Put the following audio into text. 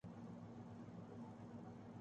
قدرت نے میری کمال مدد کی